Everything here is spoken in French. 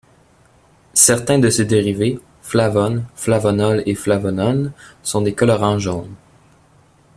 Certains de ses dérivés, flavones, flavonols et flavanones sont des colorants jaunes.